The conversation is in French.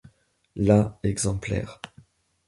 La exemplaires.